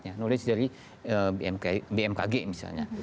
knowledge dari bmkg misalnya